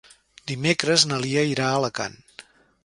Dimecres na Lia irà a Alacant.